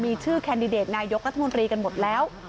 มีชื่อแคนดิเดตนายกรัฐมนตรีกันหมดแล้ว